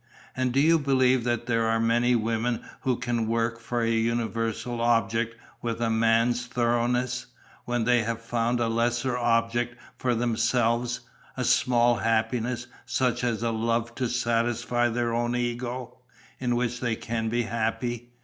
And do you believe that there are many women who can work for a universal object with a man's thoroughness, when they have found a lesser object for themselves, a small happiness, such as a love to satisfy their own ego, in which they can be happy?